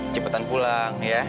cepetan pulang ya